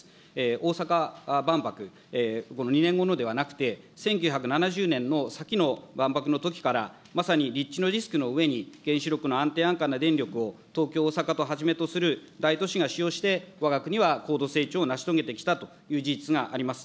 大阪万博、２年後のではなくて、１９７０年の先の万博のときから、まさに立地のリスクの上に原子力の安定安価な電力を東京、大阪をはじめとする大都市が使用して、わが国は高度成長を成し遂げてきたという事実があります。